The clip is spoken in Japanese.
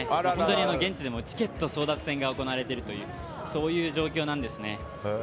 現地でもチケット争奪戦が行われているというそういう状況なんですね。